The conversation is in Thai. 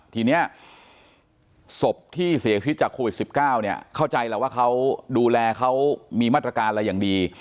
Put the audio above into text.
ทีนี้ศพที่เสียชีวิตจากโควิด๑๙เนี่ยเข้าใจแล้วว่าเขาดูแลเขามีมาตรการอะไรอย่างดี